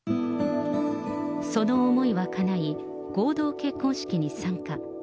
その思いはかない、合同結婚式に参加。